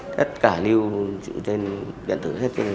tất cả lưu trên điện tử hết